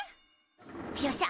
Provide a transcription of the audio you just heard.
よっしゃ！